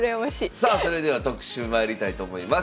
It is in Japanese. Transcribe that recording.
さあそれでは特集まいりたいと思います。